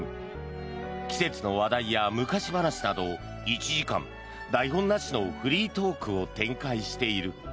季節の話題や昔話など１時間、台本なしのフリートークを展開している。